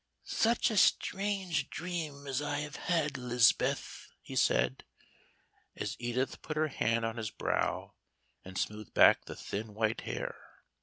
"Such a strange dream as I have had, 'Lis'beth," he said, as Edith put her hand on his brow, and smoothed back the thin, white hair.